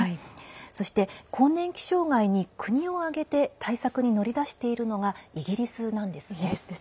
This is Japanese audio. そして、更年期障害に国を挙げて対策に乗り出しているのがイギリスなんです。